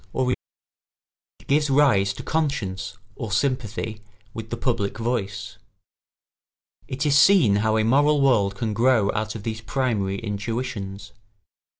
[Sidenote: It gives rise to conscience or sympathy with the public voice.] It is see how a moral world can grow out of these primary intuitions.